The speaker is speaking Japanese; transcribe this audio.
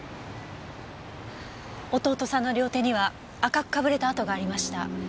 弟さんの両手には赤くかぶれたあとがありました。